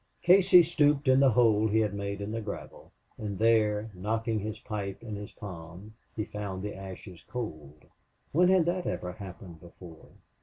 Casey stooped in the hole he had made in the gravel, and there, knocking his pipe in his palm, he found the ashes cold. When had that ever happened before?